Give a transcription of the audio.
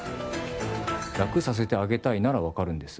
楽させてあげたいなら分かるんです。